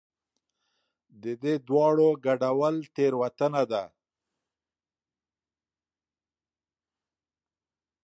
د دې دواړو ګډول تېروتنه ده.